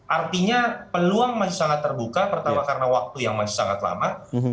artinya peluang masih sangat terbuka pertama karena waktu yang masih sangat lama